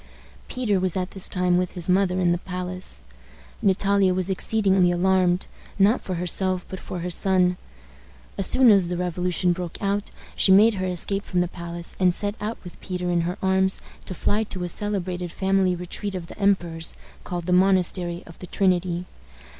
Peter was at this time with his mother in the palace. Natalia was exceedingly alarmed, not for herself, but for her son. As soon as the revolution broke out she made her escape from the palace, and set out with Peter in her arms to fly to a celebrated family retreat of the emperor's, called the Monastery of the Trinity.